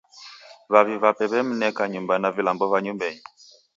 W'avi w'ape w'emneka nyumba na vilambo va nyumbenyi.